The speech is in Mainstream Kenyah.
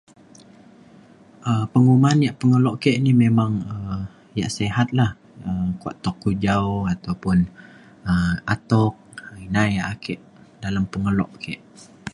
um penguman ia’ pengelo ke ni memang ia’ sihat la um kuak tuk kujau ataupun atuk ina ia’ ake dalem pengelo ke